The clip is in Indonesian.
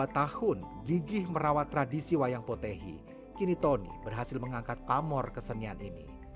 dua tahun gigih merawat tradisi wayang potehi kini tony berhasil mengangkat pamor kesenian ini